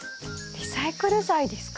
リサイクル材ですか？